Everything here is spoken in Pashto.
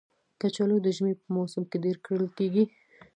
کچالو د ژمي په موسم کې ډېر کرل کېږي